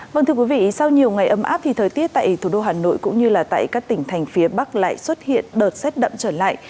vâng thưa quý vị sau nhiều ngày ấm áp thì thời tiết tại thủ đô hà nội cũng như là tại các tỉnh thành phía bắc lại xuất hiện đợt rét đậm trở lại